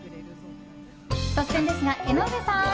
突然ですが、江上さん！